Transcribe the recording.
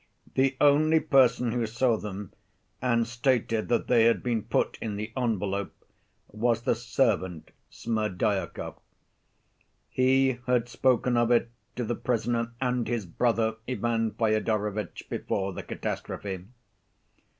The only person who saw them, and stated that they had been put in the envelope, was the servant, Smerdyakov. He had spoken of it to the prisoner and his brother, Ivan Fyodorovitch, before the catastrophe.